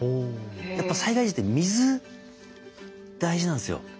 やっぱ災害時って水大事なんですよ。